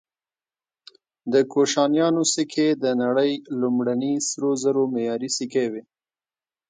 د کوشانیانو سکې د نړۍ لومړني سرو زرو معیاري سکې وې